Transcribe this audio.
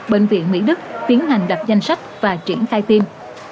bệnh viện mỹ đức tiến hành đập danh sách và triển khai tiêm